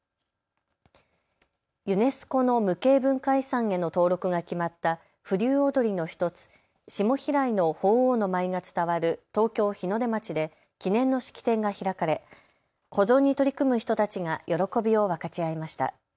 ユネスコの無形文化遺産への登録が決まった風流踊の１つ、下平井の鳳凰の舞が伝わる東京日の出町で記念の式典が開かれ保存に取り組む人たちが喜びを分かち合いました。